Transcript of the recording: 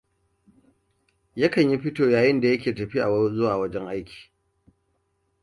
Yakan yi fito yayin da yake tafiya zuwa aiki.